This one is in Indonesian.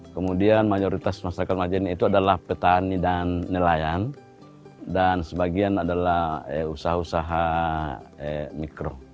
kemudian mayoritas masyarakat majene itu adalah petani dan nelayan dan sebagian adalah usaha usaha mikro